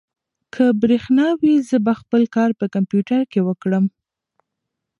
که برېښنا وي، زه به خپل کار په کمپیوټر کې وکړم.